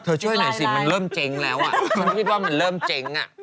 เธอช่วยหน่อยสิมันเริ่มเจ๊งแล้วอ่ะมันเริ่มเจ๊งอ่ะ